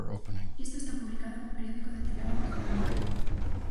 Isto está publicado nun periódico de tirada autonómica.